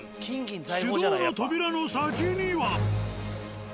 手動の扉の先には。